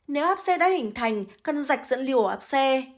nếu áp xe đã hình thành cần rạch dẫn liều ở áp xe